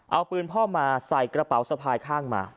เอาปืนพ่อมาใส่กระเป๋าสะพายข้างมา